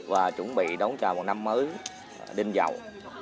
và chuẩn bị đón chào một năm mới đinh giàu